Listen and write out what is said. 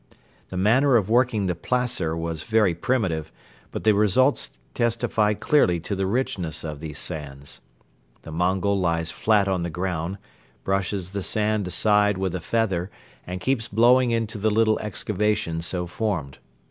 The manner of working the placer was very primitive but the results testified clearly to the richness of these sands. The Mongol lies flat on the ground, brushes the sand aside with a feather and keeps blowing into the little excavation so formed.